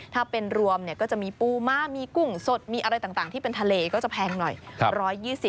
ถ้าเป็นรวมก็จะมีปูม้ามีกุ้งสดมีอะไรต่างที่เป็นทะเลก็จะแพงหน่อย